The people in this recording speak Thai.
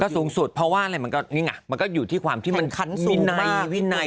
ก็สูงสุดเพราะว่านี่ไงก็อยู่ที่ความวินัย